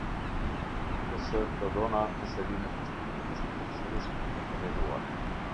Ks Dodona me seli në Prishtinë është pjesërisht e themeluar.